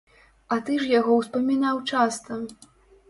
А ты ж яго ўспамінаў часта!